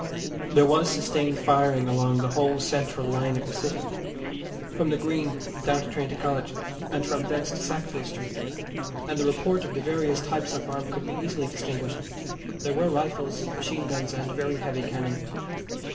There was sustained firing along the whole central line of the City, from the Green down to Trinity College, and from thence to Sackville Street, and the report of the various types of arm could be easily distinguished. There were rifles, machine guns and very heavy cannon.